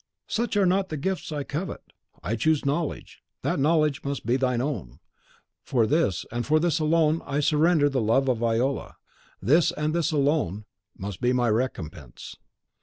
"Such are not the gifts I covet. I choose knowledge; that knowledge must be thine own. For this, and for this alone, I surrendered the love of Viola; this, and this alone, must be my recompense."